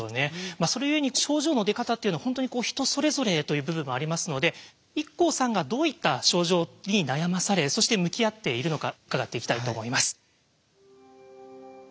それ故に症状の出方っていうのは本当にこう人それぞれという部分もありますのでＩＫＫＯさんがどういった症状に悩まされそして向き合っているのか伺っていきたいと思います。